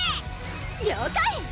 了解！